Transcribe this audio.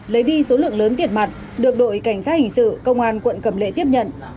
lấy đi số lượng lớn tiền mặt được đội cảnh sát hình sự công an quận cầm lệ tiếp nhận